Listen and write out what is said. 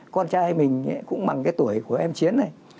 con trai mình cũng bằng cái tuổi của em chiến này